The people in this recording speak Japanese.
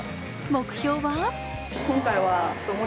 目標は？